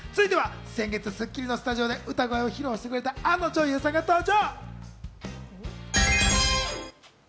続いては先月『スッキリ』のスタジオで歌声を披露してくれたあの女優さんが登場。